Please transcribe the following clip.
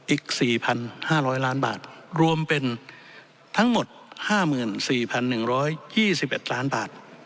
อีก๔๕๐๐ล้านบาทรวมเป็นทั้งหมด๕๔๑๒๑ล้านบาท